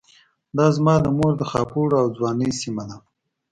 دا زما د مور د خاپوړو او ځوانۍ سيمه ده.